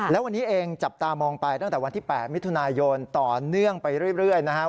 แล้ววันนี้เองจับตามองไปตั้งแต่วันที่๘มิถุนายนต่อเนื่องไปเรื่อยนะครับ